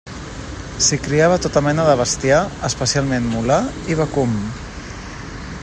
S'hi criava tota mena de bestiar, especialment mular i vacum.